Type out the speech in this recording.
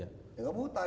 balik kota punya kabel